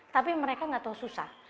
tapi mereka nggak tahu susah